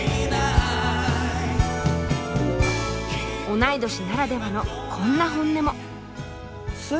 同い年ならではのこんな本音も。